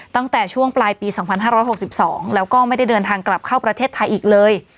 ตั้งแต่ช่วงปลายปี๒๕๖๒แล้วก็ไม่ได้เดินทางกลับเข้าประเทศไทยอีกเลย